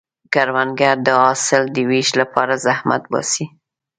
کروندګر د حاصل د ویش لپاره زحمت باسي